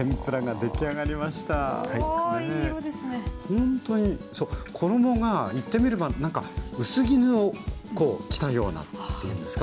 ほんとにそう衣が言ってみれば薄衣を着たようなっていうんですか。